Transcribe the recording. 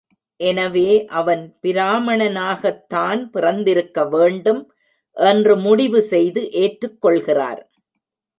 எனவே அவன் பிராமணனாகத்தான் பிறந்திருக்க வேண்டும் என்று முடிவு செய்து ஏற்றுக் கொள்கிறார்.